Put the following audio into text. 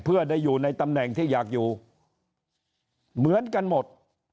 เพื่อได้อยู่ในตำแหน่งที่อยากอยู่เหมือนกันหมด